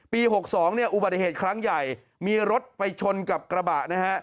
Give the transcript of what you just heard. ๖๒เนี่ยอุบัติเหตุครั้งใหญ่มีรถไปชนกับกระบะนะฮะ